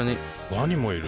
ワニもいる。